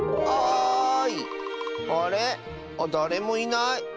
あっだれもいない。